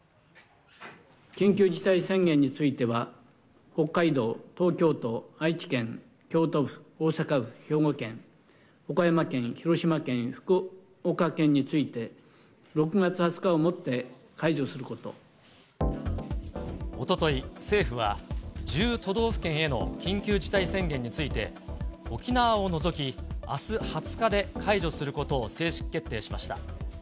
緊急事態宣言については、北海道、東京都、愛知県、京都府、大阪府、兵庫県、岡山県、広島県、福岡県について、おととい、政府は１０都道府県への緊急事態宣言について、沖縄を除き、あす２０日で解除することを正式決定しました。